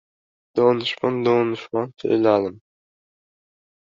Donishmand-donishmand so‘zladim: